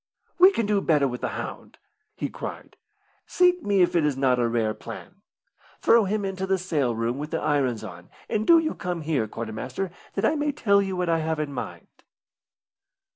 "We can do better with the hound!" he cried. "Sink me if it is not a rare plan. Throw him into the sail room with the irons on, and do you come here, quarter master, that I may tell you what I have in my mind."